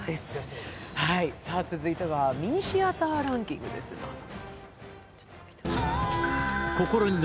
続いてはミニシアターランキングです、どうぞ。